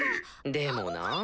でもなぁ。